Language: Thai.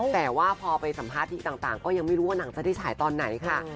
แต่ว่าพอไปสัมภาษณ์ที่ต่างก็ยังไม่รู้ว่าหนังจะได้ฉายตอนไหนค่ะ